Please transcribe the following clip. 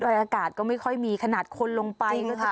วายอากาศก็ไม่ค่อยมีขนาดคนลงไปจริงค่ะ